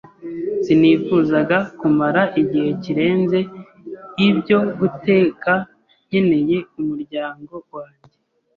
Sinifuzaga kumara igihe kirenze ibyo guteka nkeneye umuryango wanjye.